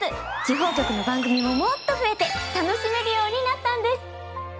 地方局の番組ももっと増えて楽しめるようになったんです。